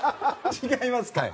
違いますから。